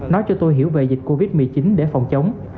nói cho tôi hiểu về dịch covid một mươi chín để phòng chống